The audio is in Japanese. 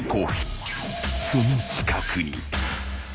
［その近くに］